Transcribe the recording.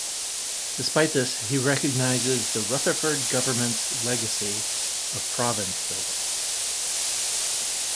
Despite this, he recognizes the Rutherford government's legacy of province building.